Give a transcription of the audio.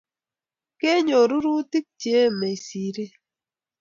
Kenyor rurutik Che emei siret